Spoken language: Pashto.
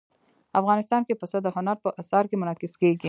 افغانستان کې پسه د هنر په اثار کې منعکس کېږي.